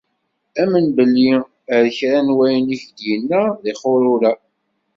Amen belli ar kra n wayen i k-d-yenna d ixeṛṛurra.